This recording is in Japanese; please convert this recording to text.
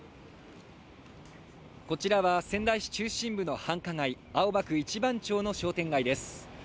こちらは仙台市中心街の繁華街、青葉区一番町の商店街です。